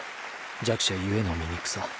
弱者ゆえの醜さ。